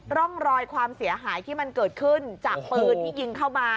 ร่องรอยความเสียหายที่มันเกิดขึ้น